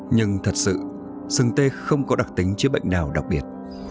nhưng thật sự sừng tê không có đặc tính chữa bệnh nào đặc biệt